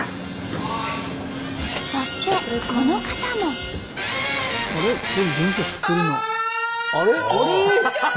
そしてこの方も。ああ！